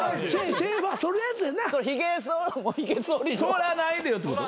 「そらないでよ」ってこと？